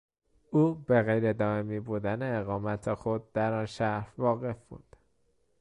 او به غیر دایمی بودن اقامت خود در آن شهر واقف بود.